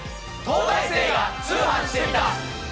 『東大生が通販してみた！！』。